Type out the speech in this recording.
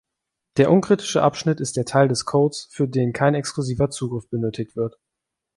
Der unkritische Abschnitt ist der Teil des Codes, für den kein exklusiver Zugriff benötigt wird.